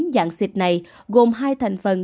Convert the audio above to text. dạng xịn này gồm hai thành phần